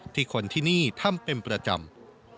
ที่คนที่นี่ทำเป็นประจำ